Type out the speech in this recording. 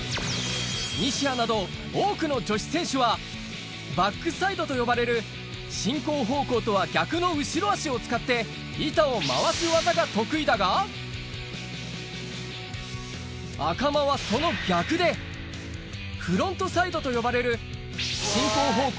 西矢など多くの女子選手はバックサイドと呼ばれる進行方向とは逆の後ろ足を使って板を回す技が得意だが赤間はその逆でフロントサイドと呼ばれる進行方向